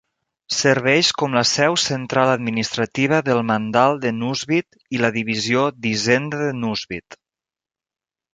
Serveix com la seu central administrativa del mandal de Nuzvid i la divisió d'Hisenda de Nuzvid.